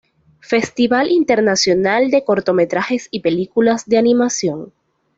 Festival Internacional de Cortometrajes y Películas de animación.